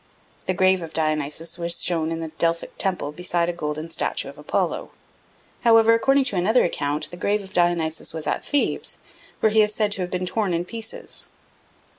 The grave of Dionysus was shown in the Delphic temple beside a golden statue of Apollo. However, according to another account, the grave of Dionysus was at Thebes, where he is said to have been torn in pieces.